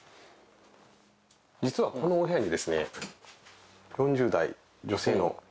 実はこのお部屋にですねははははっ。